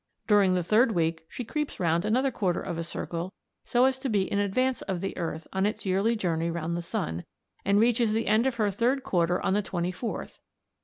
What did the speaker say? During the third week she creeps round another quarter of a circle so as to be in advance of the earth on its yearly journey round the sun, and reaches the end of her third quarter on the 24th.